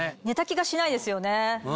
寝た気がしないですよね。